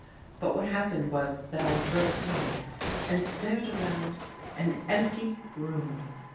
But what happened was that I burst in and stared around an empty room.